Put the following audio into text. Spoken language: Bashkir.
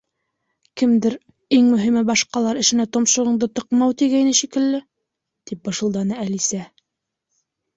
—Кемдер: иң мөһиме —башҡалар эшенә томшоғоңдо тыҡмау тигәйне, шикелле, —тип бышылданы Әлисә.